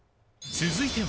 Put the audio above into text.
続いては。